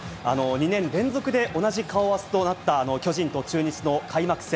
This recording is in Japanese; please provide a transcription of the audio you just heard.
２年連続で同じ顔合わせとなった巨人と中日の開幕戦。